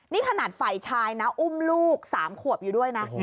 นี่ขนาดฝ่ายชายนะอุ้มลูก๓ขวบอยู่ด้วยนะ